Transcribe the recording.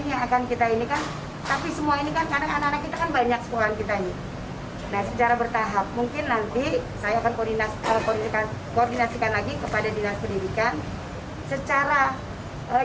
saya akan koordinasikan lagi kepada dinas pendidikan